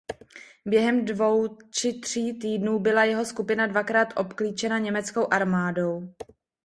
Během dvou či tří týdnů byla jeho skupina dvakrát obklíčena německou armádou.